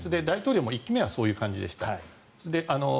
大統領も１期目はそういう感じでした。